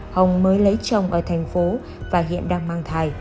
hồng mới lấy chồng ở thành phố và hiện đang mang thai